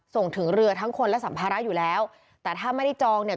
ส่งถึงเรือทั้งคนและสัมภาระอยู่แล้วแต่ถ้าไม่ได้จองเนี่ย